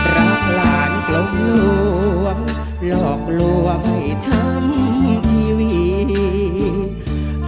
รับหลานกลมรวมหลอกรวมให้ชั้นชีวิต